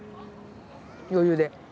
余裕で。